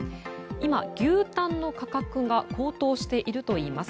今、牛タンの価格が高騰しているといいます。